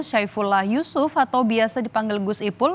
saifullah yusuf atau biasa dipanggil gus ipul